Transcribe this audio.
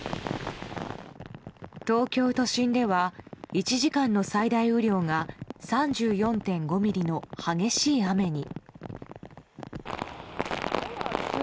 東京都心では１時間の最大雨量が３４．５ミリの激しい雨に。